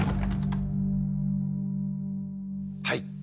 はい。